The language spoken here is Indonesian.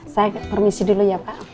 saya permisi dulu ya pak